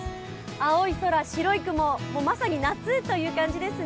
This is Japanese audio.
青い空、白い雲、まさに夏という感じですね。